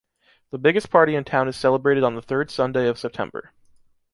The biggest party in town is celebrated on the third Sunday of September.